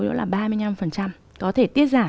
nó là ba mươi năm có thể tiết giảm